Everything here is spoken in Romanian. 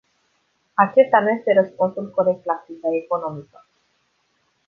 Acesta nu este răspunsul corect la criza economică.